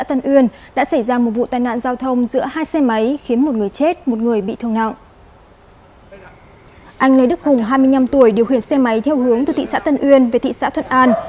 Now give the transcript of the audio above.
anh lê đức hùng hai mươi năm tuổi điều khiển xe máy theo hướng từ thị xã tân uyên về thị xã thuận an